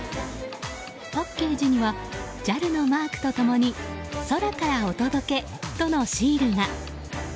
パッケージにはＪＡＬのマークと共に「空からお届け」とのシールが。